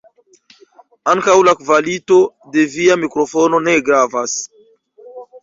Ankaŭ la kvalito de via mikrofono ne gravas.